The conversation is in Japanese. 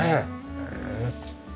へえ。